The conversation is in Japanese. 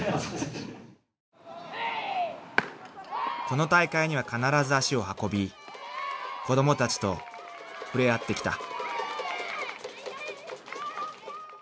［この大会には必ず足を運び子供たちと触れ合ってきた］